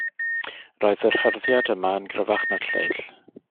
Roedd yr hyrddiad yma yn gryfach na'r lleill.